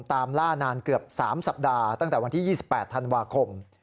ตามล่านานเกือบ๓สัปดาห์ตั้งแต่วันที่๒๘ธันวาคม